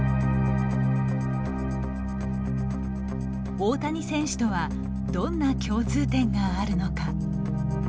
大谷選手とはどんな共通点があるのか？